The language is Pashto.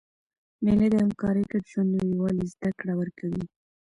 مېلې د همکارۍ، ګډ ژوند او یووالي زدهکړه ورکوي.